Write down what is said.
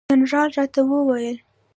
جنرال راته وویل.